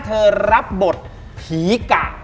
เธอรับบทผีกะ